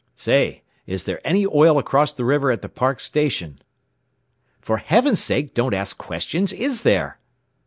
"Say, is there any oil across the river at the Park station? "For Heavens sake, don't ask questions! Is there?"